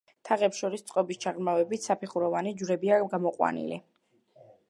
თაღებს შორის წყობის ჩაღრმავებით საფეხუროვანი ჯვრებია გამოყვანილი.